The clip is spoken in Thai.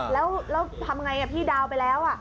แล้วทำอย่างไรพี่ดาวน์ไปแล้ว